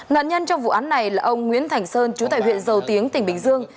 nạn nhân trong vụ án này là ông nguyễn thành sơn chú tại huyện dầu tiếng tỉnh bình dương